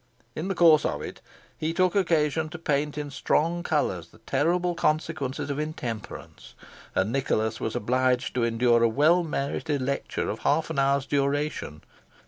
In the course of it he took occasion to paint in strong colours the terrible consequences of intemperance, and Nicholas was obliged to endure a well merited lecture of half an hour's duration.